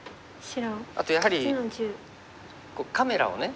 あとやはりカメラをね。